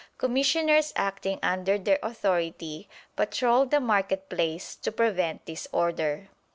Commissioners acting under their authority patrolled the market place to prevent disorder."